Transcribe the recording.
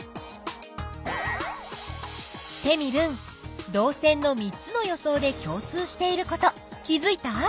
テミルン導線の３つの予想で共通していること気づいた？